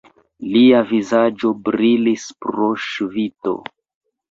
Lia vizaĝo brilis pro ŝvito.